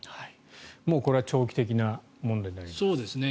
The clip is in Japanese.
もうこれは長期的な問題になります。